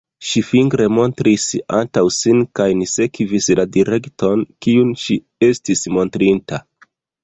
Ŝi fingre montris antaŭ sin kaj ni sekvis la direkton, kiun ŝi estis montrinta.